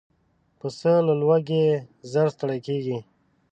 پسه له لوږې ژر ستړی کېږي.